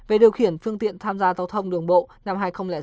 về điều khiển phương tiện tham gia giao thông đường bộ năm hai nghìn sáu